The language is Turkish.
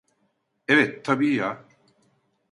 Evet, tabii ya.